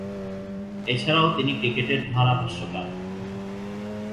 এছাড়াও তিনি ক্রিকেটের ধারাভাষ্যকার।